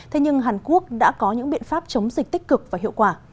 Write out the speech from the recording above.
thế nhưng hàn quốc đã có những biện pháp chống dịch tích cực và hiệu quả